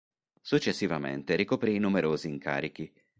Successivamente ricoprì numerosi incarichi.